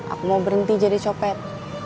aku mau berhenti jadi copet